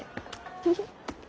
フフ。